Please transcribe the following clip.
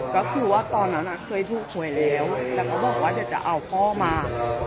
ก็คือว่าตอนนั้นเคยถูกหวยแล้วแล้วก็บอกว่าเดี๋ยวจะเอาพ่อมา